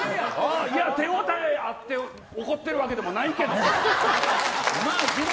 手応えあって怒ってるわけでもないけど。